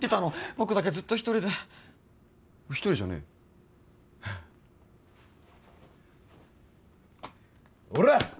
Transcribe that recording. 僕だけずっと一人で一人じゃねえほら！